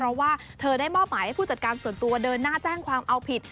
เพราะว่าเธอได้มอบหมายให้ผู้จัดการส่วนตัวเดินหน้าแจ้งความเอาผิด